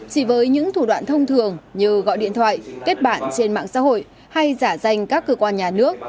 chỉ với những thủ đoạn thông thường như gọi điện thoại kết bạn trên mạng xã hội hay giả danh các cơ quan nhà nước